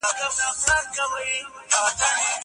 زه مخکي کتابتون ته راتلی و!!